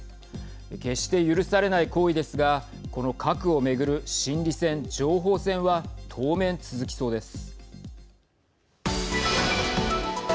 決して許されない行為ですがこの核を巡る心理戦、情報戦は当面、続きそうです。